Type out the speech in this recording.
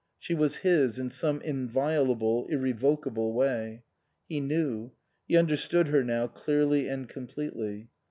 She was his, in some inviolable, irrevocable way. He knew. He understood her now, clearly and completely.